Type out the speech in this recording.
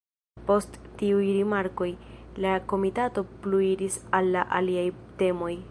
Post tiuj rimarkoj, la komitato pluiris al aliaj temoj.